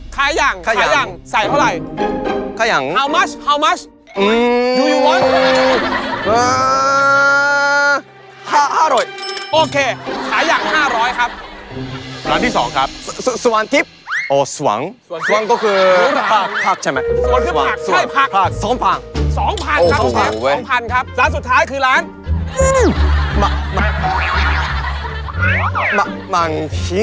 ค่าอย่างใส่เท่าไรค่าอย่าง